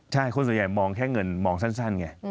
ใช่คนส่วนใหญ่มองแค่เงินมองสั้นไง